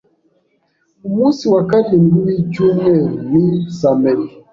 Umunsi wa karindwi wicyumweru ni samedi.